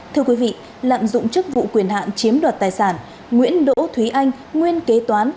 thưa quý vị lạm dụng chức vụ quyền hạn chiếm đoạt tài sản nguyễn đỗ thúy anh nguyên kế toán